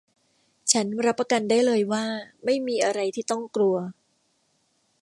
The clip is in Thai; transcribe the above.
ฉันรับประกันได้เลยว่าไม่มีอะไรที่ต้องกลัว